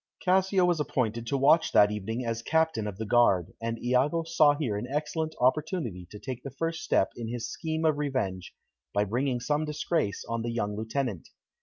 Cassio was appointed to watch that evening as Captain of the Guard, and Iago saw here an excellent opportunity to take the first step in his scheme of revenge, by bringing some disgrace on the young lieutenant.